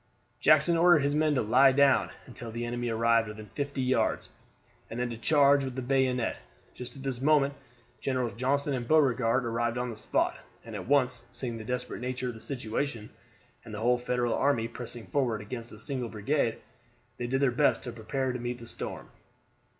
Jackson ordered his men to lie down until the enemy arrived within fifty yards, and then to charge with the bayonet. Just at this moment Generals Johnston and Beauregard arrived on the spot, and at once seeing the desperate nature of the situation, and the whole Federal army pressing forward against a single brigade, they did their best to prepare to meet the storm.